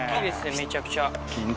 めちゃくちゃ。